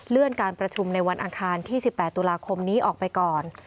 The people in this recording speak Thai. การประชุมในวันอังคารที่๑๘ตุลาคมนี้ออกไปก่อน